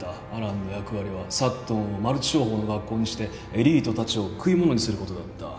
安蘭の役割はサットンをマルチ商法の学校にしてエリートたちを食い物にすることだった。